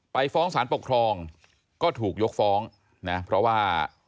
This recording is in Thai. ไปฟ้องสารปกครองก็ถูกยกฟ้องนะเพราะว่า